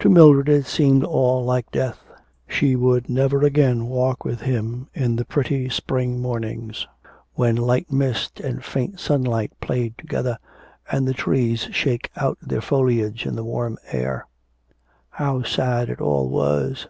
To Mildred it seemed all like death. She would never again walk with him in the pretty spring mornings when light mist and faint sunlight play together, and the trees shake out their foliage in the warm air. How sad it all was.